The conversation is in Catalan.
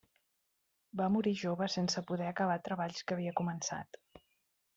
Va morir jove sense poder acabar treballs que havia començat.